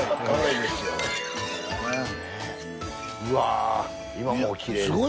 うわぁ今もおきれい。